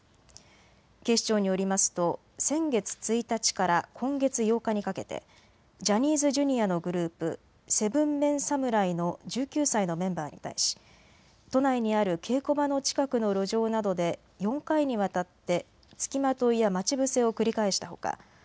警視庁によりますと先月１日から今月８日にかけてジャニーズＪｒ．のグループ、７ＭＥＮ侍の１９歳のメンバーに対し、都内にある稽古場の近くの路上などで４回にわたって付きまといや待ち伏せを繰り返したほか